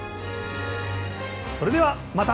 それではまた！